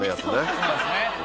そうですね。